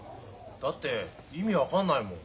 だって意味分かんないもん。